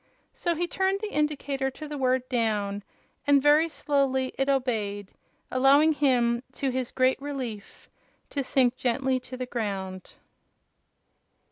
So he turned the indicator to the word "down," and very slowly it obeyed, allowing him, to his great relief, to sink gently to the ground.